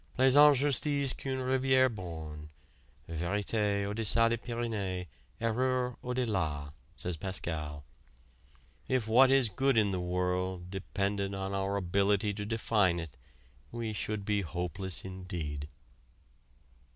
"Plaisante justice qu'une rivière borne. Vérité, au deçà des Pyrénées, erreur au de là," says Pascal. If what is good in the world depended on our ability to define it we should be hopeless indeed.